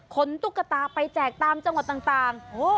ตุ๊กตาไปแจกตามจังหวัดต่าง